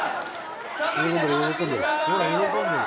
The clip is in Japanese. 喜んでる。